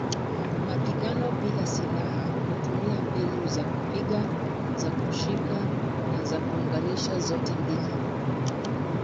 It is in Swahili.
Mapigano bila silaha hutumia mbinu za kupiga, za kushika na za kuunganisha zote mbili.